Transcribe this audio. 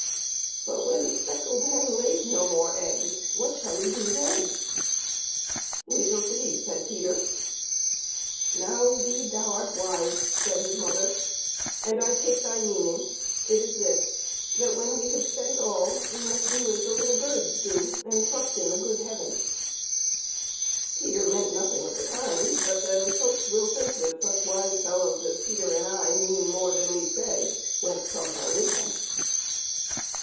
" But when the speckled hen lays no more eggs, what shall we do then ?"" We shall see," said Peter. " Now indeed art thou wise," said his mother, " and I take thy meaning ; it is this, when we have spent all, we must do as the little birds do, and trust in the good Heaven." Peter meant nothing of the kind, but then folks will think that such wise fellows as Peter and I mean more than we say, whence comes our wisdom.